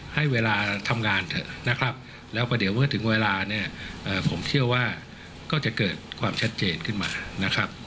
ให้เวลาทำงานเถอะนะครับแล้วก็เดี๋ยวเมื่อถึงเวลาเนี่ยผมเชื่อว่าก็จะเกิดความชัดเจนขึ้นมานะครับ